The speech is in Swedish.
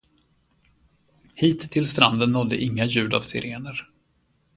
Hit till stranden nådde inga ljud av sirener.